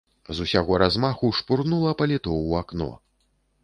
З усяго размаху шпурнула паліто ў акно.